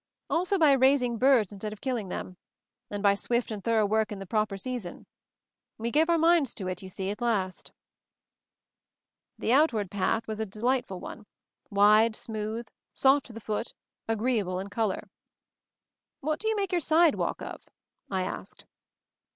Also by raising birds instead of killing them; and by swift and thorough work in the proper sea son. We gave our minds to it, you see, at last." The outside path was a delightful one, wide, smooth, soft to the foot, agreeable in color. 176 MOVING THE MOUNTAIN "What do you make your sidewalk of?" I asked.